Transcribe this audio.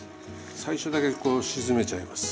最初だけこう沈めちゃいます。